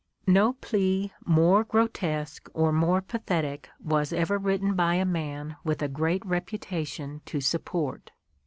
No plea more grotesque or more pathetic was ever written by a man with a great reputation to support.